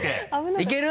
いける？